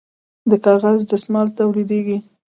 د کاغذ دستمال تولیدیږي